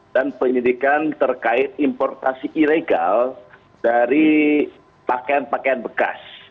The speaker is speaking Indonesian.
dan penyelidikan terkait importasi ilegal dari pakaian pakaian bekas